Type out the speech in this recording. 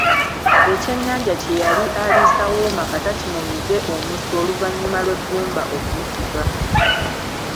Ekyennyanja kye yali aliisa wuuma kata kimumize omusu oluvannyuma lw'eggumba okumutuga.